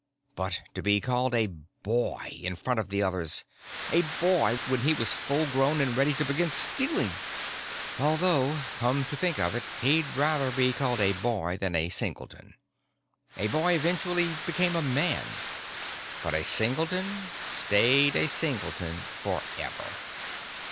But to be called a boy in front of the others! A boy, when he was full grown and ready to begin stealing! Although, come to think of it, he'd rather be called a boy than a singleton. A boy eventually became a man, but a singleton stayed a singleton forever.